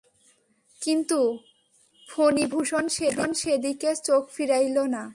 কিন্তু, ফণিভূষণ সেদিকে চোখ ফিরাইল না।